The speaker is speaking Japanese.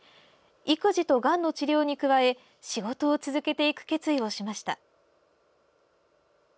育児と、がんの治療に加え仕事を続けていく決意をしました。